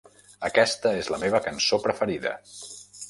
Aquesta és la meva cançó preferida!